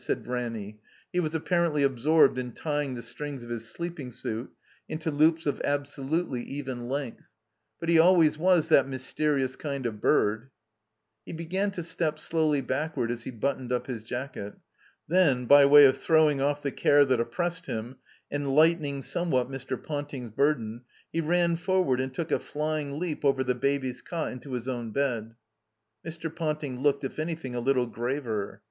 said Ranny. He was appar ently absorbed in tying the strings of his sleeping suit into loops of absolutely even length, But he al ways was that mysterious kind of bird." He began to step slowly backward as he buttoned up his jacket. Then, by way of throwing oflf the care that oppressed him, and lightening somewhat Mr. Ponting's burden, he ran forward and took a flying leap over the Baby's cot into his own bed. Mr. Ponting looked, if anything, a little graver.